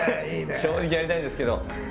正直やりたいですけど。